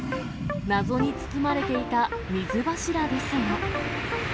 謎に包まれていた水柱ですが。